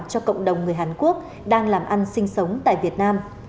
cho cộng đồng người hàn quốc đang làm ăn sinh sống tại việt nam